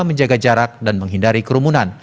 menjaga jarak dan menghindari kerumunan